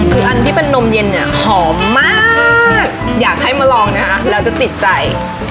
คืออันที่เป็นนมเย็นเนี่ยหอมมากอยากให้มาลองนะคะแล้วจะติดใจ